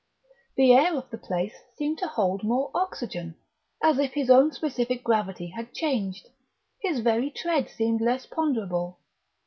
The air of the place seemed to hold more oxygen; as if his own specific gravity had changed, his very tread seemed less ponderable.